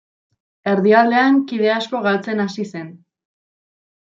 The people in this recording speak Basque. Erdialdean kide asko galtzen hasi zen.